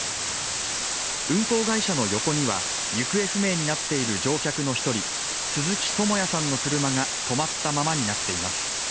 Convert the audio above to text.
運航会社の横には、行方不明になっている乗客の１人、鈴木智也さんの車が止まったままになっています。